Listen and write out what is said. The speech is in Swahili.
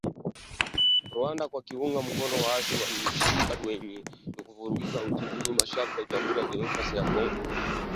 Rwanda kwa kuunga mkono waasi wa M ishirini na tatu wenye nia ya kuvuruga utulivu mashariki mwa Jamuhuri ya Demokrasia ya Kongo